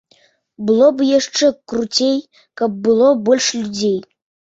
Было б яшчэ круцей, каб было больш людзей.